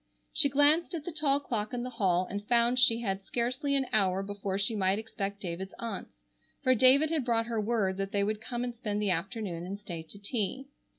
She glanced at the tall clock in the hall and found she had scarcely an hour before she might expect David's aunts, for David had brought her word that they would come and spend the afternoon and stay to tea.